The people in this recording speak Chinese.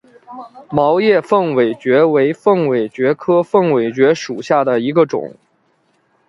毛叶凤尾蕨为凤尾蕨科凤尾蕨属下的一个种。